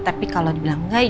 tapi kalau dibilang enggak